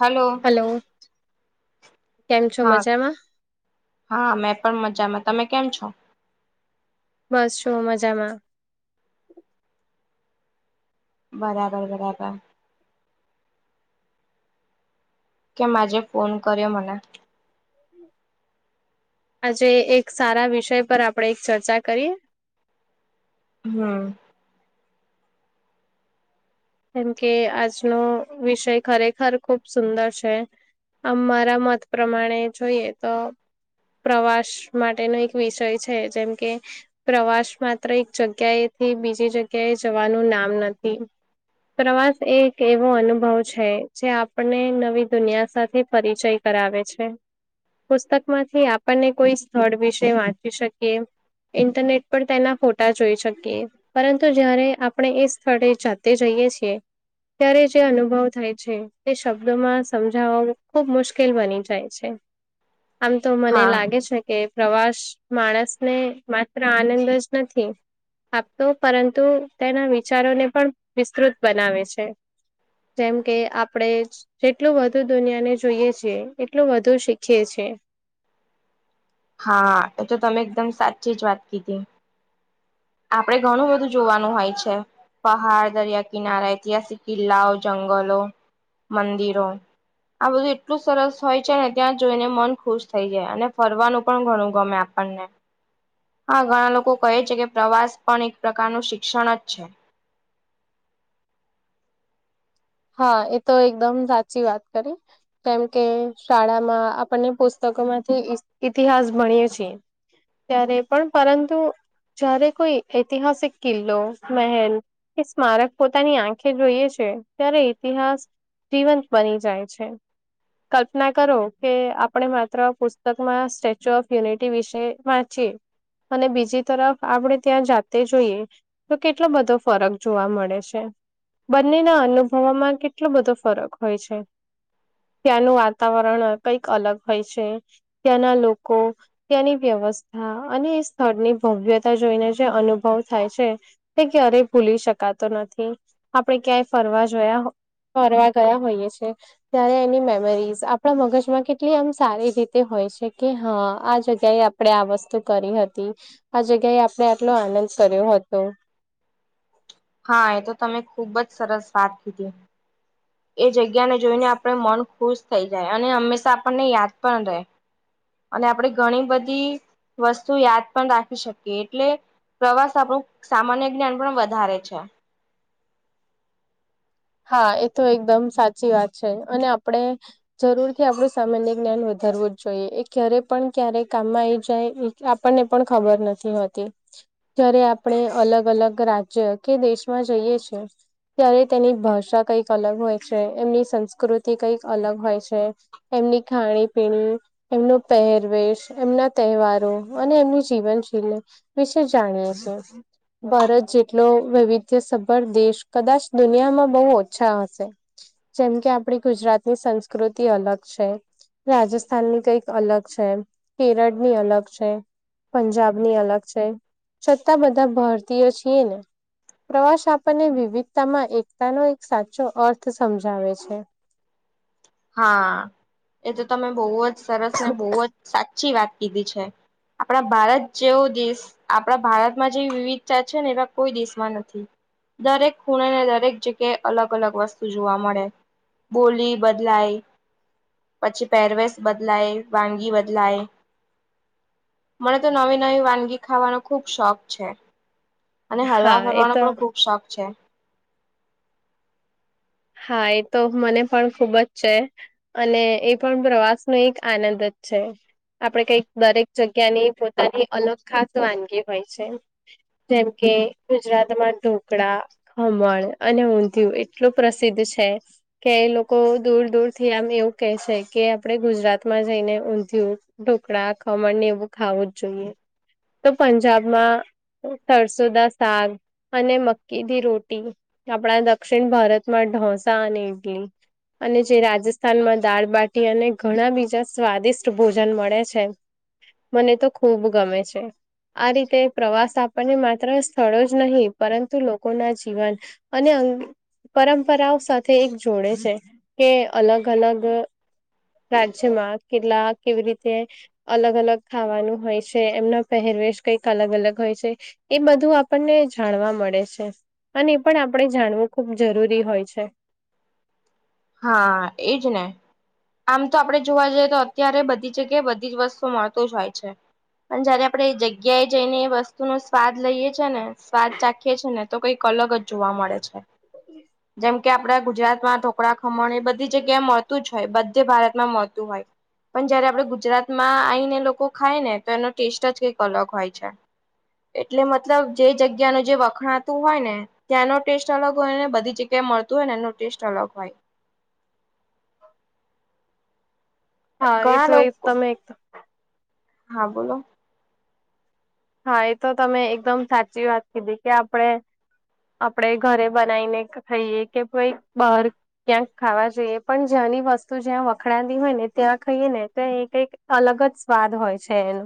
Hello. Hello, કેમ છો હા મજામાં? હા મેં પણ મજામાં, તમે કેમ છો? બસ છું મજામાં. બરાબર, બરાબર. કેમ આજે ફોન કર્યો મને? આજે એક સારા વિષય પર આપળે એક ચર્ચા કરીએ. હમ્મ. કેમ કે આજનો વિષય ખરેખર ખુબ સુંદર છે અમારા મત પ્રમાણે જોઈએ તો પ્રવાસ માટેનો એક વિષય છે, જેમ કે પ્રવાસ માત્ર એક જગ્યાએ થી બીજી જગ્યાએ જવાનું નામ નથી. પ્રવાસ એ એક એવો અનુભવ છે, જે આપને નવી દુનિયા સાથે પરિચય કરાવે છે, પુસ્તક માંથી આપણને કોઈ સ્થળ વિશે વાંચી શકીએ ઇન્ટરનેટ પર તેના ફોટા જોઈ શકીએ, પરંતુ જયારે આપણે એ સ્થળે જા તે જઈએ છીએ ત્યારે જે અનુભવ થાય છે. તે શબ્દમાં સમજાવો ખુબ મુશ્કેલ બની જાય છે. આમ તો મને હા લાગે છે. કે પ્રવાસ માણસને માત્ર આનંદ જ નથી આપતો પરંતુ તેના વિચારોને પણ વિસ્તૃત બનાવે છે. જેમ કે આપડે જ જેટલું વધુ દુનિયાને જોઈએ છે એટલું વધુ શીખીએ છે. હા એ તો તમે એકદમ સાચી જ વાત કીધી આપડે ઘણું બધું જોવાનું હોય છે. પહાડ દરિયા કિનારા ઐતિહાસિક કિલ્લાઓ જંગલો મંદિરો આ બધું એટલું સરસ હોય છે ત્યાં જોઈને મન ખુશ થઈ જાય અને ફરવાનું પણ ઘણુ ગમે આપણને હા ઘણા લોકો કહે છે કે પ્રવાસ પણ એક પ્રકારનું શિક્ષણ જ છે. હા એ તો એકદમ સાચી વાત કરી કેમ કે શાળા માં આપણને પુસ્તકો માંથી ઇતિહાસ ભણીએ છીએ. ત્યારે પણ પરંતુ જ્યારે કોઈ ઐતિહાસિક કિલ્લો મહેલ એ સ્મારક પોતાની આંખે જોઈએ છે. ત્યારે ઇતિહાસ જીવંત બની જાય છે. કલ્પના કરો કે આપણે માત્ર પુસ્તકમાં સ્ટેચ્યુ ઓફ યુનિટી વિશે વા છીએ અને બીજી તરફ આપણે ત્યાં જાતે જોઈએ. તો કેટલો બધો ફરક જોવા મળે છે બંનેના અનુ થવામાં કેટલો બધો ફરક હોય છે. ત્યાંનું વાતાવરણ કંઈક અલગ હોય છે ત્યાંના લોકો ત્યાંની વ્યવસ્થા અને એ સ્થળની ભવ્યતા જોઈને જે અનુભવ થાય છે. કે અરે ભૂલી શકાતો નથી આપડે ક્યાંય ફરવા જોયા ફરવા ગયા હોઈએ છે. ત્યારે એની મેમરીઝ આપણા મગજમાં કેટલી આમ સારી રીતે હોય છે કે હા આ જગ્યાએ આપણે આ વસ્તુ કરી હતી આ જગ્યાએ આપણે આટલો આનંદ કર્યો હતો. હા એ તો તમે ખુબ જ સરસ વાત કીધી એ જગ્યાને જોઈને આપણે મન ખુશ થઈ જાય અને હંમેશા આપણને યાદ પણ રહે અને આપણે ઘણી બધી વસ્તુ યાદ પણ રાખી શકીએ એટલે પ્રવાસ આપણું સામાન્ય જ્ઞાન પણ વધારે છે. હા એ તો એકદમ સાચી વાત છે અને આપડે જરૂર થી આપડું સામાન્ય જ્ઞાન વધારવું જ જોઈએ એ ક્યારે પણ ક્યારેય કામમાં આવી જાય ને આપણને પણ ખબર નથી હોતી જયારે આપડે અલગ અલગ રાજ્ય દેશમાં જઈએ છીએ ત્યારે તેની ભાષા કઈક અલગ હોય છે એમની સંસ્કૃતિ કઈક અલગ હોય છે. એમની ખાણી પીણી એમનો પહેરવેશ એમના તહેવારો અને એમની જીવનશૈલી વિશે જાણીએ છીએ. ભારત જેટલો વૈવિધ્ય સભળ દેશ કદાચ દુનિયામાં બહુ ઓછા હશે જેમ કે આપડી ગુજરાતની સંસ્કૃતિ અલગ છે. રાજસ્થાન કઈક અલગ છે. કેરળ અલગ છે. પંજાબની અલગ છે. છતાં બધા ભારતીયો છીએ ના. પ્રવાસ આપણને વિવિધતામાં એકતાનો એક સાચો અર્થ સમજાવે છે. હા એ તો તમે બહુ જ સરસ ને બહુ જ સાચી વાત કીધી છે. આપડા ભારત જેવો દેશ આપડા ભારતમાં જેવી વિવિધતા છે ને એવા કોઈ દેશમાં નથી. દરેક ખૂણને દરેક જગ્યાએ અલગ અલગ વસ્તુ જોવા મળે. બોલી બ બલાય પછી પેરવેશ બદલાય વાનગી બદલાય મને તો નવી નવી વાનગી ખાવાનો ખુબ શોખ છે. અને હરવા હા એ ફરવાનો તો પણ ખુબ શોખ છે. હા એ તો મને પણ ખુબ જ છે. અને એ પણ પ્રવાસનો એક આનંદજ છે. આપડે કઈક દરેક જગ્યા ની પોતાની અલગ ખાસ વાનગી હોય છે. જેમ કે ગુજરાતમાં ઢોકળા ખમણ અને ઊંધિયું એટલું પ્રસિદ્ધ છે કે એ લોકો દૂર દૂર થી આમ એવું કે છે કે આપડે ગુજરાતમાં જઈને ઊંધીયુ ઢોકળા ખમણ ને એવું ખાવું જ જોઈએ. તો પંજાબમાં સરરસોદા સાગ અને મક્કીથી રોટી આપડા દક્ષિણ ભારત મા ઢોસા અને ઈડલી અને જે રાજસ્થાનમાં દાળબાટી અને ઘણા બીજા સ્વાદિષ્ટ ભોજન મળે છે મને તો ખૂબ ગમે છે. આ રીતે પ્રવાસ આપણને માત્ર સ્થળો જ નહીં પરંતુ લોકો ના જીવન અને અંગ પરંપરાઓ સાથે એક જોડે છે કે અલગ અલગ રાજ્યમાં કેટલા કેવી રીતે અલગ અલગ ખાવાનું હોય છે. એમના પહેરવેશ કંઈક અલગ અલગ હોય છે. એ બધું આપણને જાણવા મળે છે. અને એ પણ આપડે જાણવું ખૂબ જરૂરી હોય છે. હા એજ ને આમ તો આપડે જોવા જઈએ તો અત્યારે બધી જગ્યાએ બધી જ વસ્તુ મળતું જ હોય છે. પણ જ્યારે આપડે એ જગ્યાએ જઈને એ વસ્તુ નો સ્વાદ લઈએ છે ને સ્વાદ ચાખીએ છી ને તો કઈક અલગ જ જોવા મળે છે જેમ કે આપડા ગુજરાતમાં તો કડા ખમણ એ બધી જગ્યાએ મળતું જ, હોય બધે ભારતમાં મળતું હોય. પણ જ્યારે આપડે ગુજરાતમાં આઈને એ લોકો ખાય ને તો એનો ટેસ્ટ જ કંઈક અલગ હોય છે. એટલે મતલબ જે જગ્યા નું જે વખણાતું હોય ને ત્યાંનો ટેસ્ટ અલગ હોય ને બધી જગ્યાએ મળતું હોય ને એનો ટેસ્ટ અલગ હોય હા ઘણા એતો એક લોકો તમે એક તો હા બોલો. હા એ તો એકદમ સાચી વાત કીધી કે આપડે આપડે ઘરે બનાઈ ને ખઈએ કે ભઈ બહાર ક્યાંક ખાવા જઈએ પણ જ્યાંની વસ્તુ જ્યાં વખણાતી હોય ને ત્યાં ખઈએ ને તો એ કઈક અલગ જ સ્વાદ હોય છે એનો.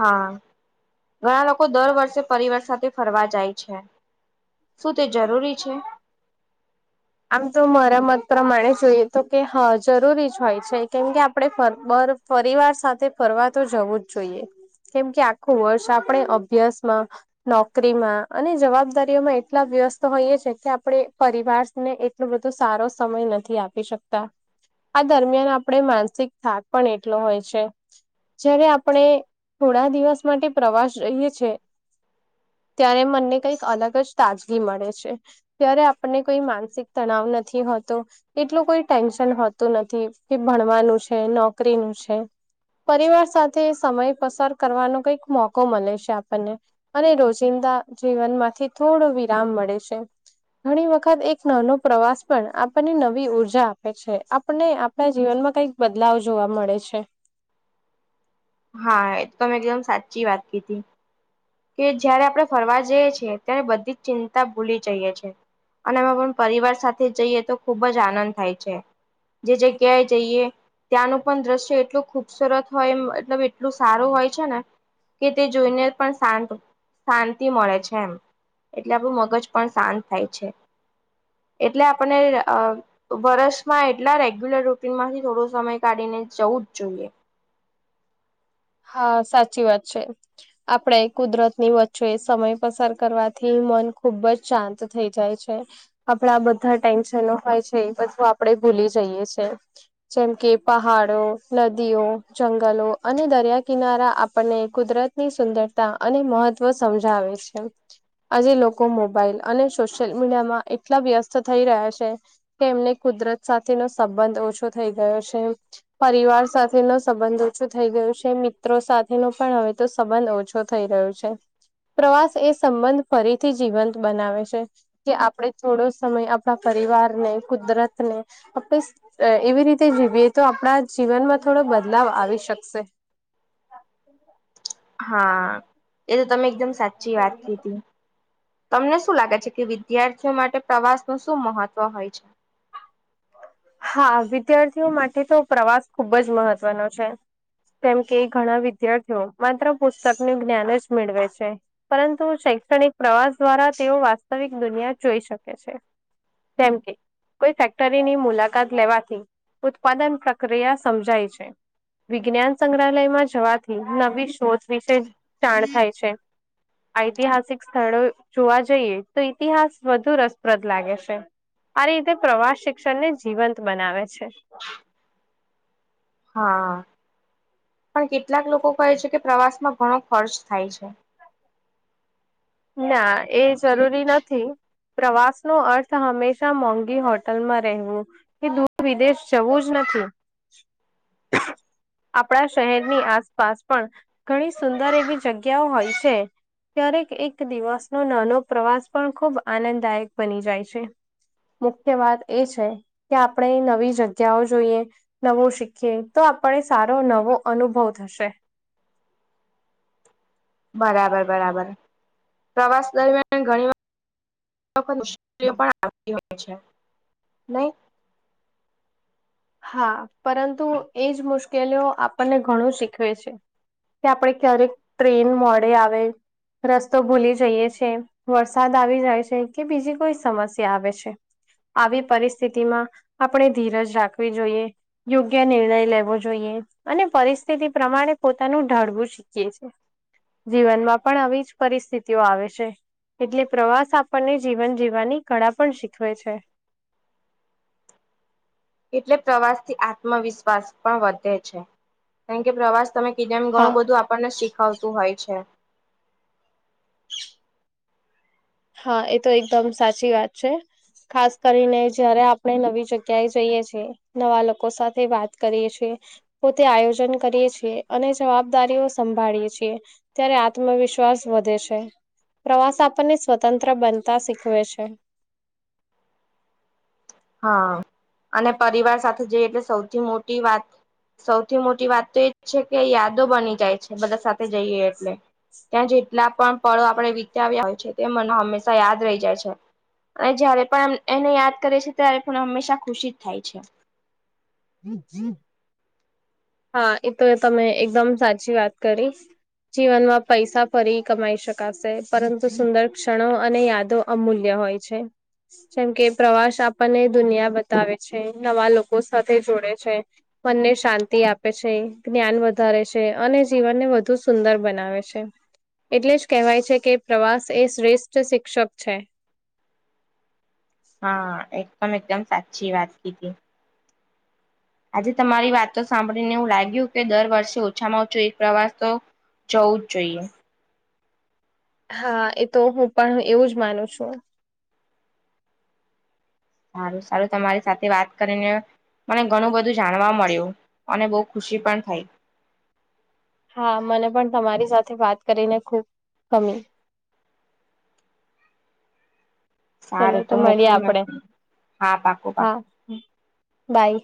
હા ઘણા લોકો દર વર્ષે પરિવાર સાથે ફરવા જાય છે. શું તે જરૂરી છે? આમ તો મારા મત પ્રમાણે જોઈએ તો કે હ જરૂરી જ હોય છે. કેમ કે આપડે ફર બર પરિવાર સાથે ફરવા તો જવું જ જોઈએ. કેમ કે આખું વર્ષ આપડે અભ્યાસમાં નોકરીમાં અને જવાબદારીઓમાં એટલા વ્યસ્ત હોઈએ છે કે આપડે પરિવાર ને એટલું બધું સારો સમય નથી આપી શકતા આ દરમિયાન આપડે માનસિક થાક પણ એટલો હોય છે. જ્યારે આપણે થોડા દિવસ માટે પ્રવાસ જઈએ છે. ત્યારે મન ને કઈક અલગ જ તાજગી મળે છે ત્યારે આપણને કોઈ માન સીક તણાવ નથી હોતો એટલું કોઈ ટેન્શન હોતું નથી કે ભણવાનું છે નોકરીનું છે પરિવાર સાથે સમય પસાર કરવાનો કઈક મોકો મલે છે આપણને અને રોજિંદા જીવનમાંથી થોડો વિરામ મળે છે ઘણી વખત એ નાનો પ્રવાસ પણ આ આપણને નવી ઉર્જા આપે છે આપને આપણા જીવનમાં કઈક બદલાવ જોવા મળે છે. હા તમે એકદમ સાચી વાત કીધી કે જયારે આપણે ફરવા જઈએ છીએ ત્યારે બધી જ ચિંતા ભૂલી જઈએ છીએ. અને એમાં પણ પરિવાર સાથે જઈએ તો ખુબ આનંદ થાય છે. જે જગ્યાએ જઈએ ત્યાંનું પણ દ્રશ્ય એટલું ખુબસુરત હોય મતલબ એટલું સારું હોય છે ને કે તે જોઈને પણ શાંત શાંતિ મળે છે એમ એટલે આપણું મગજ પણ શાંત થાય છે. એટલે આપને અ વર્ષમાં એટલા રેગ્યુલર રૂટીનમાંથી થોડો સમય કાઢીને જવું જ જોઈએ. હા સાચી વાત છે. આપણે કુદરત ની વચ્ચે સમય પસાર કરવાથી મન ખુબ જ શાંત થઈ જાય છે. આપડા આ બધા ટેન્શનો હોય છે એ બધું આપણે ભૂલી જઈએ છે. જેમ કે પહાડો નદીઓ જંગલો અને દરિયા કિનારા આપણને કુદરતની સુંદરતા અને મહત્વ સમજાવે છે. આજે લોકો મોબાઈલ અને સોશિયલ મીડિયામાં એટલા વ્યસ્ત થઈ રહ્યા છે. કે એમને કુદરત સાથેનો સંબંધ ઓછો થઈ ગયો છે. પરિવાર સાથે નો સંબંધ ઓછો થઈ ગયો છે મી સાથેનો પણ હવે તો સંબંધ ઓછો થઈ રહ્યો છે પ્રવાસ એ સંબંધ ફરી થી જીવંત બનાવે છે કે આપડે થોડો સમય આ આપણા પરિવારને કુદરતને આપણી અ એવી રીતે જીવીએ તો આપણા જીવનમાં થોડો બદલાવ આવી શકશે [inaudible] હા એ તો તમે એકદમ સાચી વાત કીઘી તમને શું લાગે છે કે વિદ્યાર્થીઓ માટે પ્રવાસ નું શું મહત્વ હોય છે. હા વિદ્યાર્થીઓ માટે તો પ્રવાસ ખુબ જ મહત્વનો છે. કેમ કે ઘણા વિદ્યાર્થીઓ માત્ર પુસ્તકનું જ્ઞાનજ મેળવે છે. પરંતુ શૈક્ષણિક પ્રવાસ દ્વારા તેઓ વાસ્તવિક દુનિયા જોઈ શકે છે. જેમ કે કોઈ ફેક ક્ટરીની મુલાકાત લેવાથી ઉત્પાદન પ્રક્રિયા સમજાય છે. વિજ્ઞાન સંગ્રહાલયમાં જવાથી નવી શોધ વિશે જાણ થાય છે ઐતિહાસિક સ્થળો જોવા જઈએ તો ઇતિહાસ વધુ રસપ્રદ લાગે છે. અરે એતો પ્રવાસ શિક્ષણને જીવંત બનાવે છે. હા. પણ કેટલાક લોકો કહે છે કે, પ્રવાસમાં ઘણો ખર્ચ થાય છે. ના, એ જરૂરી નથી. પ્રવાસ નો અર્થ હંમેશા મોંઘી હોટલમાં રહેવું એ દૂર વિદેશ જવું જ નથી. આપણા શહેરની આસપાસ પણ ઘણી સુંદર એવી જગ્યાઓ હોય છે. ક્યારેક એક દિવસનો નાનો પ્રવાસ પણ ખૂબ આનંદદાયક બની જાય છે. મુખ્ય વાત એ છે, કે આપણે નવી જગ્યાઓ જોઈએ. નવું શીખીએ, તો આપણે સારો નવો અનુભવ થશે. બરાબર, બરાબર, પ્રવાસ દરમિયાન ઘણી વાર મુશ્કેલીઓ પણઆવતી હોઈ છે નઈ હા પરંતુ એજ મુશ્કેલીઓ આપણને ઘણું શીખવે છે. કે આપણે ક્યારેક ટ્રેન મોડે આવે, રસ્તો ભૂલી જઈએ છે. વરસાદ આવી જાય છે, કે બીજી કોઈ સમસ્યા આવે છે. આવી પરિસ્થિતિમાં આપણે ધીરજ રાખવી જોઈએ. યોગ્ય નિર્ણય લેવો જોઈએ અને પરિસ્થિતિ પ્રમાણે પોતાનું ઢાળવું છે, જીવનમાં પણ આવીજ પરિસ્થિતિઓ આવે છે. એટલે પ્રવાસ આપણને જીવન જીવાની કળા પણ શીખવે છે. [inaudible] એટલે પ્રવાસ થી આત્મવિશ્વાસ પણ વધે છે. કારણ કે પ્રવાસ તમે કીધુ એમ હા ઘણું બધું આપણને શીખવતું હોય છે. હા એ તો એકદમ સાચી વાત છે. ખાસ કરીને જયારે આપણે નવી જગ્યાએ જઈએ છીએ. નવા લોકો સાથે વાત કરીએ છીએ. પોતે આયોજન કરીએ છીએ, અને જવાબદારીઓ સંભાળીએ છીએ. ત્યારે આત્મવિશ્વાસ વધે છે, પ્રવાસ આપણને સ્વતંત્ર બનતા શીખવે છે. હા, અને પરિવાર સાથે જઈયે એટલે સૌથી મોટી વાત સૌથી મોટી વાત તો એજ છે, કે યાદો બની જાય છે, બધા સાથે જઈએ એટલે. ત્યાં જેટલા પણ પળો આપણે વિતાવ્યા હોય છે, તે મને હંમેશા યાદ રહી જાય છે. અને જયારે પણ એમ એને યાદ કરે છે, ત્યારે પણ હંમેશા ખુશી જ થાય છે. હા એ તો તમે એકદમ સાચી વાત કરી. જીવનમાં પૈસા ફરી કમાઈ શકાશે, પરંતુ સુંદર ક્ષણો અને યાદો અમૂલ્ય હોય. છે, જેમ કે પ્રવાસ આપણને દુનિયા બતાવે છે, નવા લોકો સાથે જોડે છે મનને શાંતિ આપે છે, જ્ઞાન વધારે છે, અને જીવનને વધુ સુંદર બનાવે છે. એટલે જ કહેવાય છે કે પ્રવાસ એ શ્રેષ્ઠ શિક્ષક છે. હા, એકદમ એકદમ સાચી વાત કીધી આજે તમારી વાતો સાંભળીને એવું લાગ્યું, કે દર વર્ષે ઓછામાં ઓછો એક પ્રવાસ તો જઉજ જોઈએ. હા, એ તો હું પણ એવું જ માનું છું. સારું સારું, તમારી સાથે વાત કરીને મને ઘણું બધું જાણવા મળ્યું, અને બહુ ખુશી પણ થઈ. હા, મને પણ તમારી સાથે વાત કરીને ખુબ ગમી ચલો સારું તો મળીએ મોકું આપડે. નથી. હા પાકું હા પાકું હા બાય.